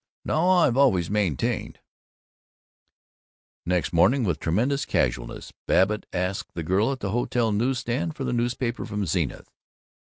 Now I've always maintained " Next morning, with tremendous casualness, Babbitt asked the girl at the hotel news stand for the newspapers from Zenith.